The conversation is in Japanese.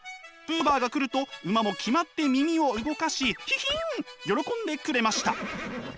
ブーバーが来ると馬も決まって耳を動かしヒヒン喜んでくれました。